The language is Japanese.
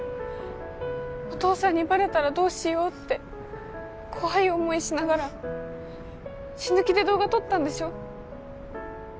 お父さんにバレたらどうしようって怖い思いしながら死ぬ気で動画撮ったんでしょ？